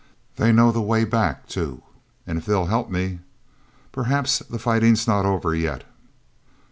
They know the way back, too, and if they'll help me.... Perhaps the fighting's not over yet!"